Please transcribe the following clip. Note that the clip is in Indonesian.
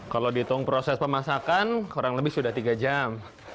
kalau dihitung proses pemasakan kurang lebih sudah tiga jam